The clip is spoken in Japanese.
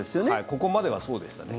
ここまではそうでしたね。